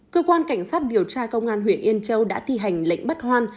cơ quan cảnh sát điều tra công an huyện yên châu đã thi hành lệnh bắt hoan